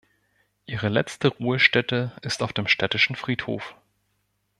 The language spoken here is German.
Ihre letzte Ruhestätte ist auf dem städtischen Friedhof.